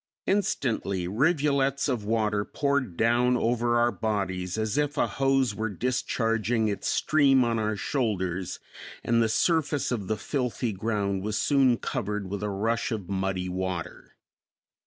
Instantly rivulets of water poured down over our bodies as if a hose were discharging its stream on our shoulders, and the surface of the filthy ground was soon covered with a rush of muddy water.